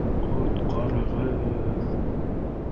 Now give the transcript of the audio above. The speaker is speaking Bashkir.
Ҡот-ҡар-ығыҙ!